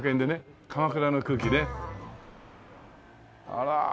あら。